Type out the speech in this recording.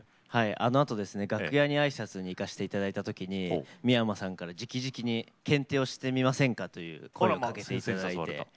あのあとですね、楽屋にあいさつに行かせていただいたとき三山さんからじきじきに「検定をしてみませんか？」と声をかけていただいて。